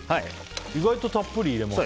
意外とたっぷり入れますね。